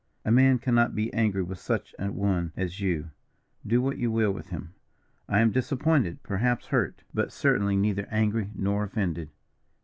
A man cannot be angry with such a one as you, do what you will with him. I am disappointed, perhaps hurt, but certainly neither angry nor offended."